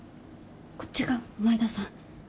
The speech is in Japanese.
こっちが前田さん。